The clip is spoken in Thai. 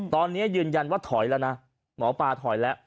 ตอนนี้ยืนยันว่าถอยแล้วนะหมอปลาถอยแล้ว